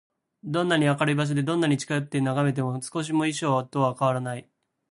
どんなに明るい場所で、どんなに近よってながめても、少しも変装とはわからない、まるでちがった人に見えるのだそうです。